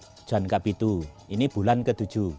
hujan kapitu ini bulan ke tujuh